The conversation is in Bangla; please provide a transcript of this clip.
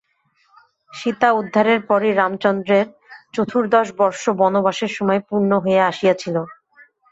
সীতা-উদ্ধারের পরই রামচন্দ্রের চতুর্দশ বর্ষ বনবাসের সময় পূর্ণ হইয়া আসিয়াছিল।